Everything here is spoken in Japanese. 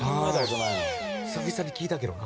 久々に聞いたけどな。